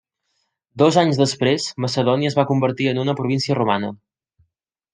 Dos anys després, Macedònia es va convertir en una província romana.